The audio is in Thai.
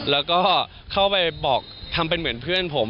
แล้วก็เข้าไปบอกทำเป็นเหมือนเพื่อนผม